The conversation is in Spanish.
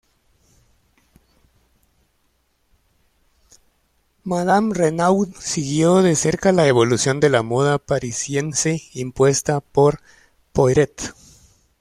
Madame Renaud siguió de cerca la evolución de la moda parisiense impuesta por Poiret.